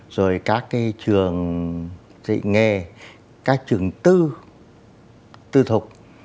rồi các cái trường dịch nghề các trường tư tư thục